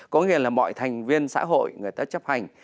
có nghĩa là mọi thành viên xã hội người ta chấp hành